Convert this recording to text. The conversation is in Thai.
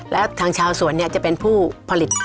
แล้วทางชาวสวนจะเป็นผู้ผลิต